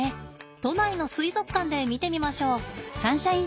都内の水族館で見てみましょう。